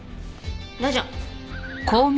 ラジャ！